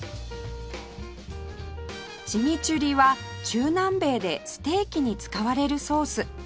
チミチュリは中南米でステーキに使われるソース